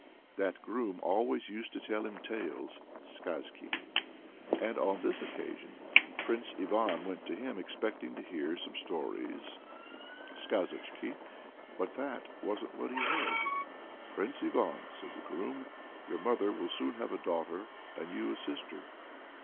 That groom always used to tell him tales [skazki], and on this occasion Prince Ivan went to him expecting to hear some stories [skazochki], but that wasn't what he heard. "Prince Ivan!" said the groom, "your mother will soon have a daughter, and you a sister.